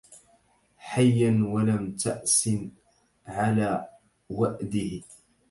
حيا ولم تأس على وأدِه